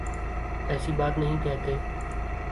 ایسی بات نہیں کہتے